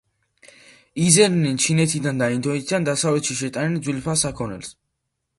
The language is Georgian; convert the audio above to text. იძენდნენ ჩინეთიდან და ინდოეთიდან დასავლეთში შეტანილ ძვირფას საქონელს.